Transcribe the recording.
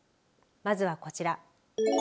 まずはこちら。